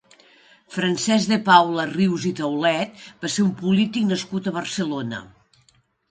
Francesc de Paula Rius i Taulet va ser un polític nascut a Barcelona.